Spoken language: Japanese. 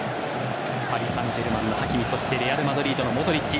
パリ・サンジェルマンのハキミそしてレアル・マドリードのモドリッチ。